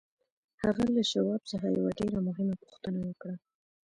هغه له شواب څخه یوه ډېره مهمه پوښتنه وکړه